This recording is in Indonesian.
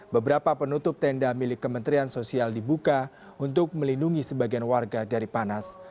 beberapa penutup tenda milik kementerian sosial dibuka untuk melindungi sebagian warga dari panas